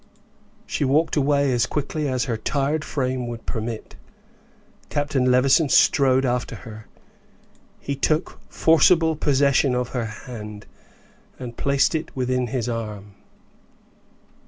She walked away as quickly as her tired frame would permit. Captain Levison strode after her. He took forcible possession of her hand, and placed it within his arm.